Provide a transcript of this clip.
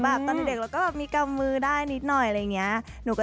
แบบตอนเด็กแล้วก็มีกำมือได้นิดหน่อยอะไรเนี้ยหนูก็